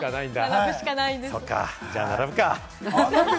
そっか、じゃあ並ぶか。